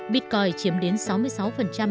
bitcoin chiếm đến sáu mươi sáu tổng vốn hóa